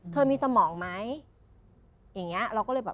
เธอมีสมองไหมอย่างเงี้ยเราก็เลยแบบ